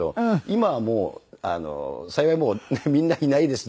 今はもう幸いみんないないです